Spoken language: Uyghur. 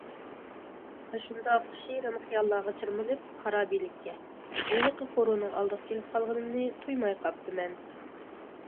ئاشۇنداق شېرىن خىياللارغا چىرمىلىپ خارابىلىككە- ھېلىقى قورۇنىڭ ئالدىغا كېلىپ قالغىنىمنى تۇيماي قاپتىمەن.